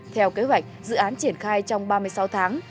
theo kế hoạch dự án triển khai trong ba mươi sáu tháng